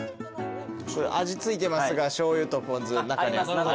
味付いてますがしょうゆとポン酢。